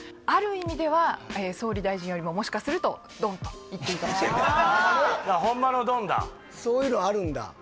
ある意味では総理大臣よりももしかするとドンと言っていいかもしれませんそういうのあるんだ